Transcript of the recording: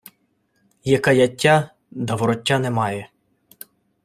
Є каяття, да вороття немає.